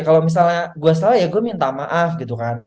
kalau misalnya gue salah ya gue minta maaf gitu kan